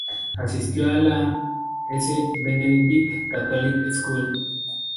Asistió a la St Benedict Catholic School.